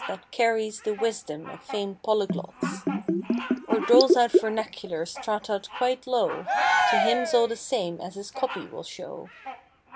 That carries the wisdom of famed polyglots. Or doles out vernacular strataed quite low— To him all's the same as his "copy" will show.